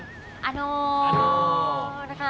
มาจากญี่ปุ่นเลยครับ